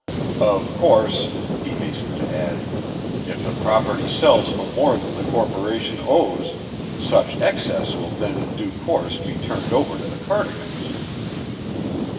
Of course," he hastened to add, "if the property sells for more than the corporation owes such excess will then in due course be turned over to the Cardigans."